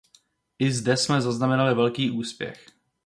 I zde jsme zaznamenali velký úspěch.